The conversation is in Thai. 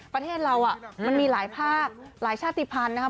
ประเทศเรามันมีหลายภาคหลายชาติภัณฑ์นะครับ